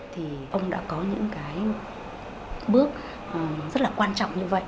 thì ông đã có những cái bước rất là quan trọng như vậy